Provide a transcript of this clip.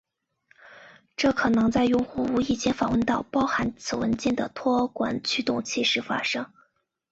这可能在用户无意间访问到包含此文件的托管驱动器时发生。